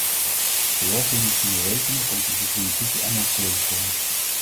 Georgië moet kunnen rekenen op onze diplomatieke en materiële steun.